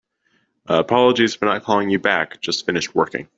Apologies for not calling you back. Just finished working.